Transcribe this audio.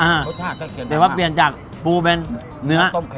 อ่าแต่ว่าเปลี่ยนจากปูเป็นเนื้อ